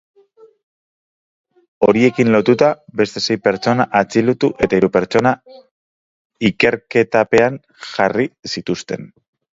Horiekin lotuta, beste sei pertsona atxilotu eta hiru pertsona ikerketapean jarri zituzten.